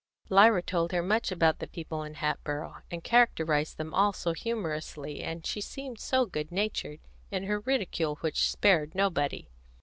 Lyra told her much about people in Hatboro', and characterised them all so humorously, and she seemed so good natured, in her ridicule which spared nobody.